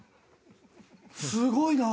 すごいな！